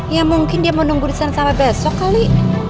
ya mungkin dia mau nunggu disana sampai besok kali